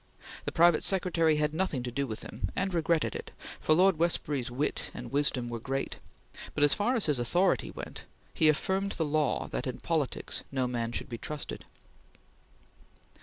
The private secretary had nothing to do with him, and regretted it, for Lord Westbury's wit and wisdom were great; but as far as his authority went he affirmed the law that in politics no man should be trusted.